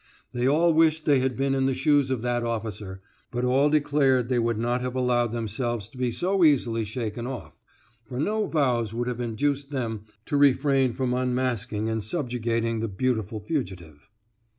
They all wished they had been in the shoes of that officer, but all declared they would not have allowed themselves to be so easily shaken off, for no vows would have induced them to refrain from unmasking and subjugating the beautiful fugitive.